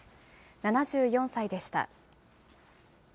７４歳でした。